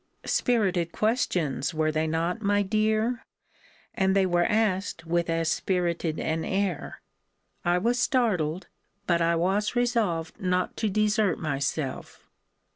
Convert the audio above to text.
Spirited questions, were they not, my dear? And they were asked with as spirited an air. I was startled. But I was resolved not to desert myself.